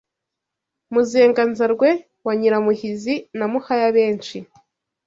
Muzenganzarwe wa Nyiramuhizi na Muhaya-benshi